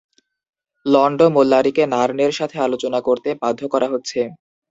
লন্ডো মোল্লারিকে নার্নের সাথে আলোচনা করতে বাধ্য করা হচ্ছে।